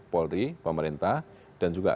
polri pemerintah dan juga